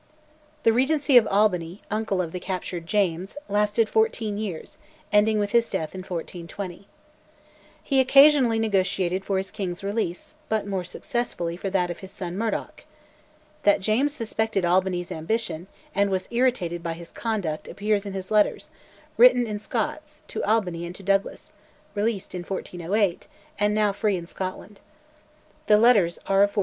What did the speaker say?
The Regency of Albany, uncle of the captured James, lasted for fourteen years, ending with his death in 1420. He occasionally negotiated for his king's release, but more successfully for that of his son Murdoch. That James suspected Albany's ambition, and was irritated by his conduct, appears in his letters, written in Scots, to Albany and to Douglas, released in 1408, and now free in Scotland. The letters are of 1416.